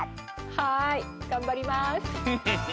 はいがんばります！